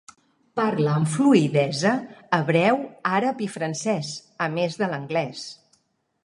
Parla amb fluïdesa hebreu, àrab i francès, a més de l'anglès.